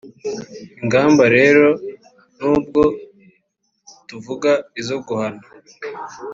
Ingamba rero nubwo tuvuga izo guhana